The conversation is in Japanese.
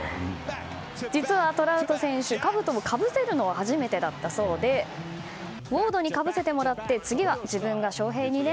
実は、トラウト選手かぶとをかぶせるのは初めてだったようでウォードにかぶせてもらって次は自分がショウヘイにね。